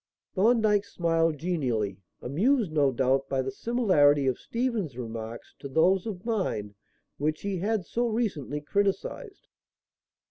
Thorndyke smiled genially, amused, no doubt, by the similarity of Stephen's remarks to those of mine which he had so recently criticized.